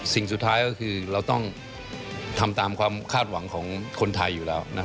สิ่งสุดท้ายก็คือเราต้องทำตามความคาดหวังของคนไทยอยู่แล้ว